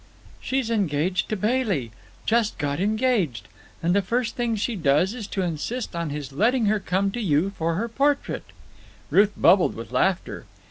"She's engaged to Bailey! Just got engaged! And the first thing she does is to insist on his letting her come to you for her portrait," Ruth bubbled with laughter.